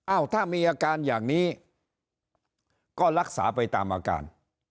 ถ้ามีอาการอย่างนี้ก็รักษาไปตามอาการ